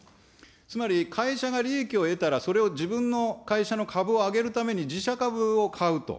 つまり会社が利益を得たら、それを自分の会社の株を上げるために自社株を買うと。